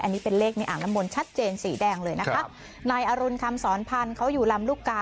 อันนี้เป็นเลขในอ่างน้ำมนต์ชัดเจนสีแดงเลยนะคะนายอรุณคำสอนพันธ์เขาอยู่ลำลูกกา